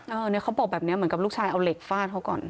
เนี่ยเขาบอกแบบนี้เหมือนกับลูกชายเอาเหล็กฟาดเขาก่อน